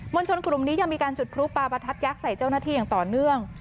ลชนกลุ่มนี้ยังมีการจุดพลุปลาประทัดยักษ์ใส่เจ้าหน้าที่อย่างต่อเนื่อง